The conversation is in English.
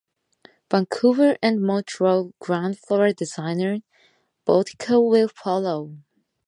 Vancouver and Montreal ground-floor designer boutiques will follow.